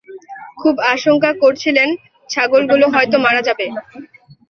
খুব আশঙ্কা করছিলেন, ছাগলগুলো হয়তো মারা যাবে।